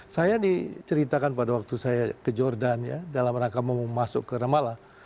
saya diceritakan pada waktu saya ke jordan ya dalam rangka mau masuk ke ramallah